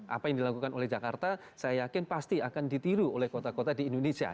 apa yang dilakukan oleh jakarta saya yakin pasti akan ditiru oleh kota kota di indonesia